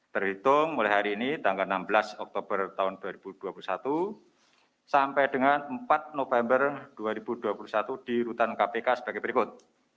terhitung mulai hari ini tanggal enam belas oktober tahun dua ribu dua puluh satu sampai dengan empat november dua ribu dua puluh satu di rutan kpk sebagai berikut